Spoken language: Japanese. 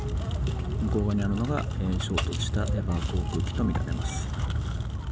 向こう側にあるのが衝突したエバー航空機とみられます。